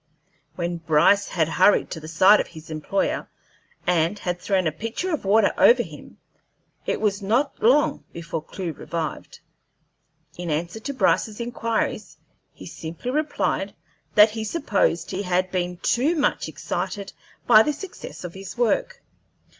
When Bryce had hurried to the side of his employer and had thrown a pitcher of water over him, it was not long before Clewe revived. In answer to Bryce's inquiries he simply replied that he supposed he had been too much excited by the success of his work.